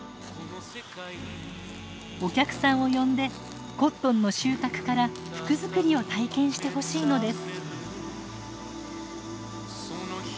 お客さんを呼んでコットンの収穫から服作りを体験してほしいのです。